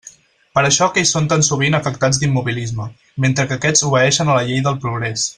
Per això aquells són tan sovint afectats d'immobilisme, mentre que aquests obeeixen a la llei del progrés.